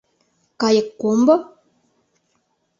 Кайыккомбо?